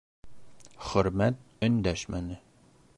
Хөрмәт өндәшмәне.